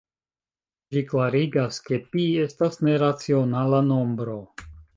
Ĝi klarigas, ke pi estas neracionala nombro.